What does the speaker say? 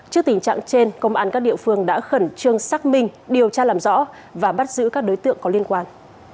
trước tình trạng trên công an các địa phương đã khẩn trương xác minh điều tra làm rõ và bắt giữ các đối tượng có liên quan